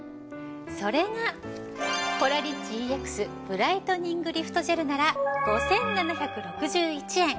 それがコラリッチＥＸブライトニングリフトジェルなら５，７６１円。